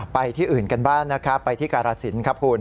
ไปที่อื่นกันบ้างนะครับไปที่การาศิลป์ครับคุณ